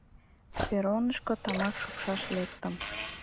— Перронышко тамак шупшаш лектым...